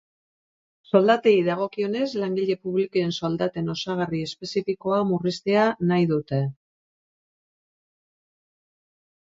Soldatei dagokienez, langile publikoen soldaten osagarri espezifikoa murriztea nahi dute.